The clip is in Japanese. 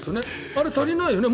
あれ、足りないよね